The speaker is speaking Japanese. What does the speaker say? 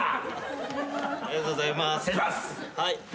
はい。